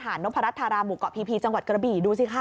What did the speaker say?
นพรัฐธาราหมู่เกาะพีพีจังหวัดกระบี่ดูสิค่ะ